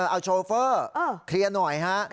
เอาโชเฟอร์เคลียร์หน่อยฮะ